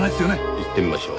行ってみましょう。